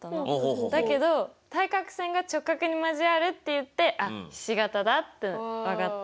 だけど「対角線が直角に交わる」って言って「あっひし型だ」って分かった。